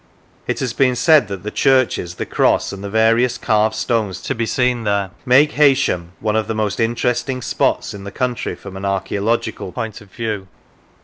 It has been said that the churches, the cross, and the various carved stones to be seen there, make Heysham " one of the most interesting spots in the country from an archaeological point of view."